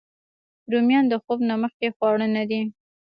رومیان د خوب نه مخکې خواړه نه دي